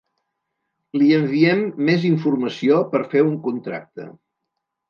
Li enviem més informació per fer un contracte.